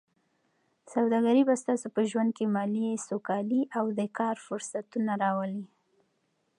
سوداګري به ستاسو په ژوند کې مالي سوکالي او د کار فرصتونه راولي.